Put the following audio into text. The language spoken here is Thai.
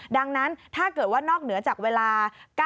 ดังนั้นถ้าเกิดว่านอกเหนือจากเวลา